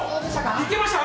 いけました？